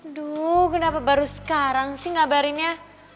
duh kenapa baru sekarang sih ngabarinnya